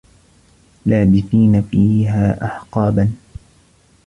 لابِثينَ فيها أَحقابًا